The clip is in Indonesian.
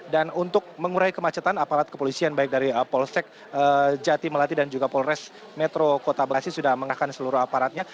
untuk mengurai kemacetan aparat kepolisian baik dari polsek jati melati dan juga polres metro kota bekasi sudah mengarahkan seluruh aparatnya